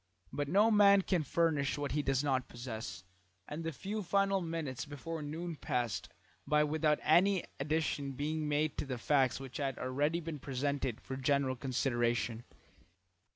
But no man can furnish what he does not possess, and the few final minutes before noon passed by without any addition being made to the facts which had already been presented for general consideration.